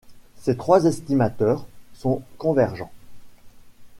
Ces trois estimateurs sont convergents.